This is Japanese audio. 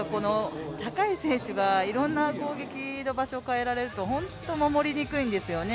高い選手がいろんな攻撃の場所を変えられるとホント守りにくいんですよね